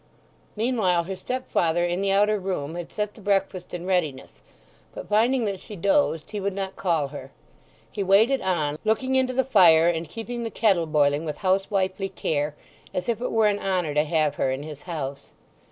Meanwhile her stepfather in the outer room had set the breakfast in readiness; but finding that she dozed he would not call her; he waited on, looking into the fire and keeping the kettle boiling with house wifely care, as if it were an honour to have her in his house.